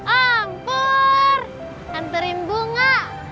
ompur hantarin bunga